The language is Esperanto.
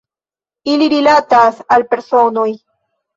Ili rilatas al personoj.